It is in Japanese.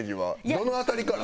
どの辺りから？